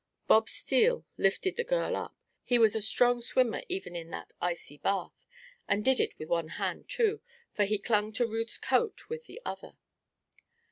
Bob Steele lifted the girl up he was a strong swimmer even in that icy bath and did it with one hand, too, for he clung to Ruth's coat with the other.